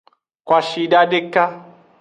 Kwashida deka.